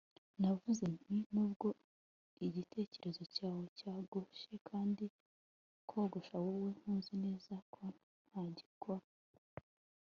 navuze nti nubwo igitereko cyawe cyogoshe kandi kogosha, wowe, ntuzi neza ko nta gikona